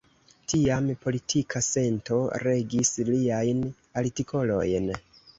Tiam politika sento regis liajn artikolojn.